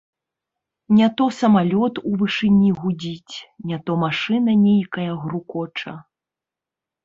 Не то самалёт у вышыні гудзіць, не то машына нейкая грукоча.